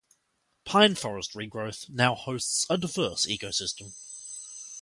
Pine forest regrowth now hosts a diverse eco-system.